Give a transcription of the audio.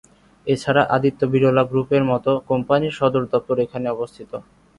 এছাড়া আদিত্য বিড়লা গ্রুপের মত কোম্পানির সদরদপ্তর এখানে অবস্থিত।